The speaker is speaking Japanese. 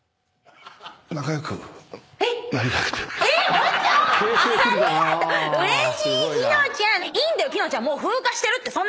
えっ？